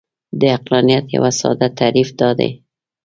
د عقلانیت یو ساده تعریف دا دی.